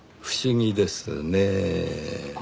不思議ですねぇ。